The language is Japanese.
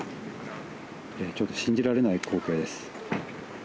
ちょっと信じられない光景です。